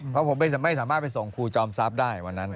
เพราะผมไม่สามารถไปส่งครูจอมทรัพย์ได้วันนั้น